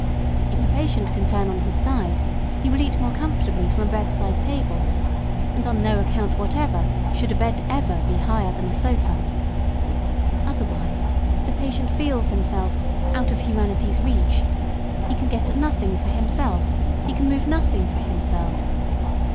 If the patient can turn on his side, he will eat more comfortably from a bed side table; and on no account whatever should a bed ever be higher than a sofa. Otherwise the patient feels himself "out of humanity's reach;" he can get at nothing for himself: he can move nothing for himself.